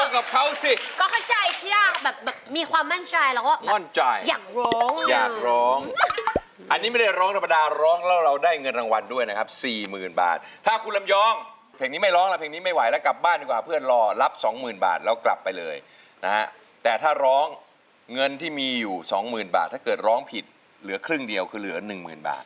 กับเขาสิก็ไม่ใช่ยากแบบมีความมั่นใจเราก็มั่นใจอยากร้องอยากร้องอันนี้ไม่ได้ร้องธรรมดาร้องแล้วเราได้เงินรางวัลด้วยนะครับสี่หมื่นบาทถ้าคุณลำยองเพลงนี้ไม่ร้องแล้วเพลงนี้ไม่ไหวแล้วกลับบ้านดีกว่าเพื่อนรอรับสองหมื่นบาทแล้วกลับไปเลยนะฮะแต่ถ้าร้องเงินที่มีอยู่สองหมื่นบาทถ้าเกิดร้องผิดเหลือครึ่งเดียวคือเหลือหนึ่งหมื่นบาท